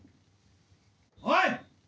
おい！